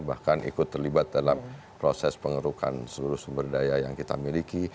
bahkan ikut terlibat dalam proses pengerukan seluruh sumber daya yang kita miliki